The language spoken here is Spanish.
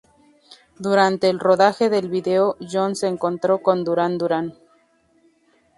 Durante el rodaje del video, John se encontró con Duran Duran.